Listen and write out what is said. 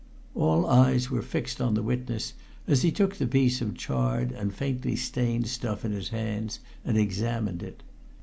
All eyes were fixed on the witness as he took the piece of charred and faintly stained stuff in his hands and examined it.